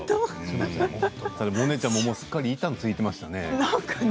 モネちゃんもすっかり板についてましたね